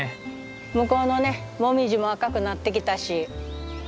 向こうのねモミジも赤くなってきたし。